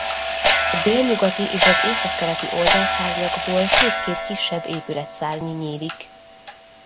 A délnyugati és az északkeleti oldalszárnyakból két-két kisebb épületszárny nyílik.